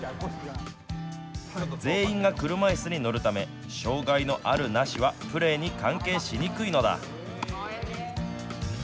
全員が車いすに乗るため障害のあるなしはプレーに関係しにくいのだ。